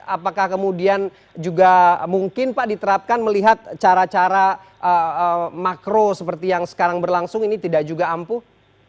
apakah kemudian juga mungkin pak diterapkan melihat cara cara makro seperti yang sekarang berlangsung ini tidak juga ampuh